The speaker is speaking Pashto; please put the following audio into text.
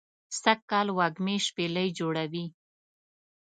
سږ کال وږمې شپیلۍ جوړوی